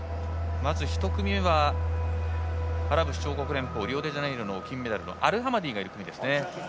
まず１組目はアラブ首長国連邦リオデジャネイロの金メダルのアルハマディがいる組ですね。